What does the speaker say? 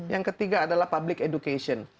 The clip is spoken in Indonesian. yang ketiga adalah public education